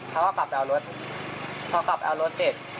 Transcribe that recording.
เขาก็กลับเอารถเขากลับเอารถเสร็จ